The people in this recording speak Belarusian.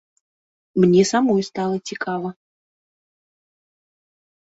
Мне самой стала цікава.